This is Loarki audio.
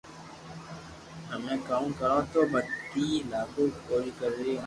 ھمي ڪاو ڪرو تو مني لاگي ڪوئي ڪريي